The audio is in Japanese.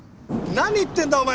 何言ってんだお前！